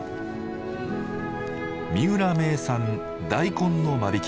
三浦名産大根の間引きです。